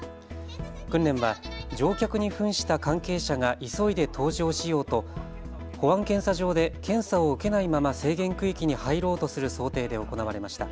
訓練は乗客にふんした関係者が急いで搭乗しようと保安検査場で検査を受けないまま制限区域に入ろうとする想定で行われました。